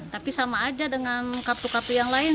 tapi sama aja dengan kartu kartu yang lain